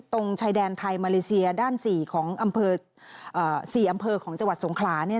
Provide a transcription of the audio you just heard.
ตรงชายแดนไทยมาเลเซียด้าน๔อำเภอของจังหวัดสงครา